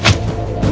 udah pak gausah pak